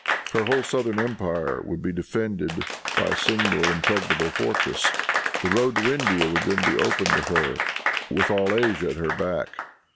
Her whole southern empire would be defended by a single impregnable fortress. The road to India would then be open to her, with all Asia at her back.